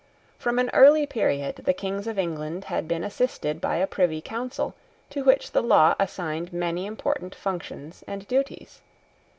From an early period the Kings of England had been assisted by a Privy Council to which the law assigned many important functions and duties.